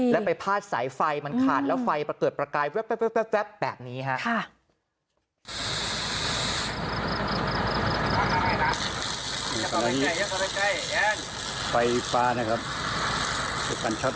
แล้วไปพาดสายไฟมันขาดแล้วไฟประเกิดประกายแว๊บแบบนี้ครับ